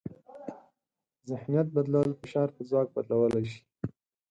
ذهنیت بدلول فشار په ځواک بدلولی شي.